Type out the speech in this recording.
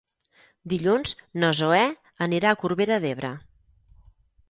Dilluns na Zoè anirà a Corbera d'Ebre.